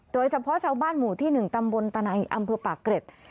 ชาวบ้านหมู่ที่๑ตำบลตะไนอำเภอปากเกร็ด